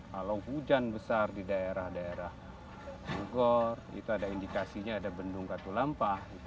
kalau hujan besar di daerah daerah bogor itu ada indikasinya ada bendung katulampah